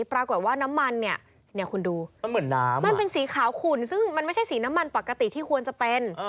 ปรากฏว่าน้ำมันเนี่ยคุณดูมันเหมือนน้ำมันเป็นสีขาวขุ่นซึ่งมันไม่ใช่สีน้ำมันปกติที่ควรจะเป็น